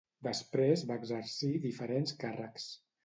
Després va exercir diferents càrrecs.